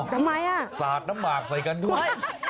ทำไมสาดน้ำหมากใส่กันด้วย